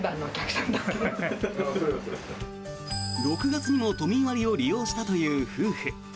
６月にも都民割を利用したという夫婦。